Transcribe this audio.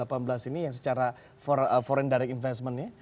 jadi kalau kita lihat dua ribu delapan belas ini yang secara foreign direct investment ya